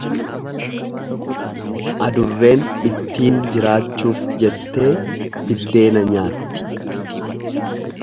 Adurreen ittiin jiraachuuf jettee biddeena nyaatti.